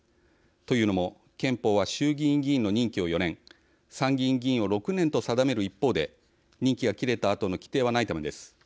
というのも憲法は衆議院議員の任期を４年参議院議員を６年と定める一方で任期が切れたあとの規定はないためです。